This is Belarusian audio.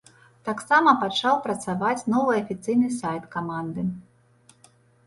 Таксама пачаў працаваць новы афіцыйны сайт каманды.